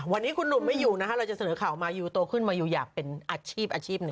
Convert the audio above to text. วันนี้คุณหนุ่มไม่อยู่นะคะเราจะเสนอข่าวมายูโตขึ้นมายูอยากเป็นอาชีพอาชีพหนึ่ง